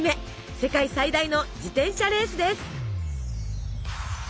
世界最大の自転車レースです。